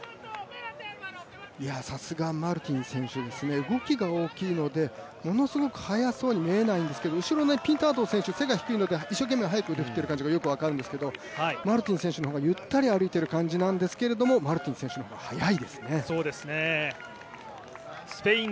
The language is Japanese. さすがマルティン選手ですね、動きが大きいのでものすごく速そうに見えないんですけれども、後ろのピンタード選手、背が小さいので一生懸命、速く腕を振っている感じがよく分かるんですけどもマルティン選手の方がゆったり歩いている感じなんですけどマルティン選手の方が速いですね。